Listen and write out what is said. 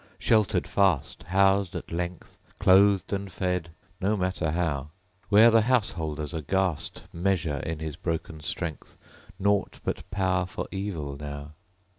Sheltered fast; Housed at length; Clothed and fed, no matter how! Where the householders, aghast, Measure in his broken strength Nought but power for evil, now.